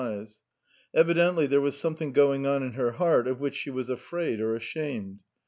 Evidently there was something going on in her soul of which she was afraid or ashamed.